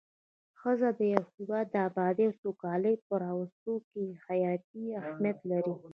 ښځی د يو هيواد د ابادي او سوکالي په راوستو کي حياتي اهميت لري